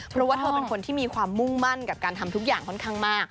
เพราะว่าเธอเป็นคนที่มีความมุ่งมั่นกับการทำทุกอย่างค่อนข้างมาก